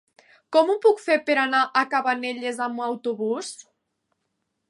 Com ho puc fer per anar a Cabanelles amb autobús?